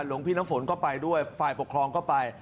หลวงพี่น้ำฝนก็ไปด้วยฝ่ายปกครองก็ไป